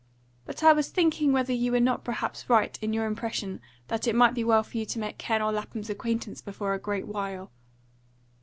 "But I was thinking whether you were not perhaps right in your impression that it might be well for you to make Colonel Lapham's acquaintance before a great while."